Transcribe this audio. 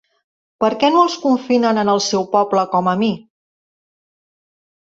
Perquè no els confinen en el seu poble com a mi?